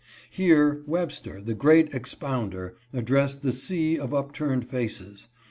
Here Webster, the great " expounder," addressed the " sea of upturned faces."